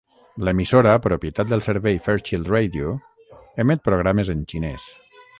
L'emissora, propietat del servei Fairchild Radio, emet programes en xinès.